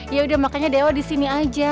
ya udah makanya dewa disini aja